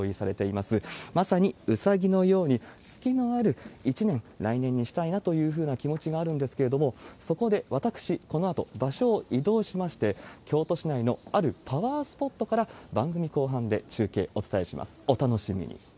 まさにウサギのように、つきのある一年、来年にしたいなというふうな気持ちがあるんですけれども、そこで私、このあと場所を移動しまして、京都市内のあるパワースポットから番組後半で中継お伝えします。